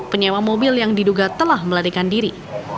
penyewa mobil yang diduga telah melarikan diri